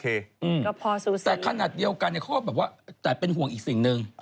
ก็พอสู้แต่ขนาดเดียวกันเนี่ยเขาก็แบบว่าแต่เป็นห่วงอีกสิ่งหนึ่ง